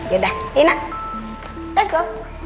ya udah rina let's go